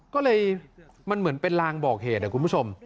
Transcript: ก็เลยมันเหมือนเป็นลางบอกเหตุนะคุณผู้ชม